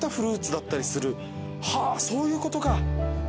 はぁそういうことか。